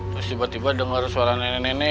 terus tiba tiba dengar suara nenek nenek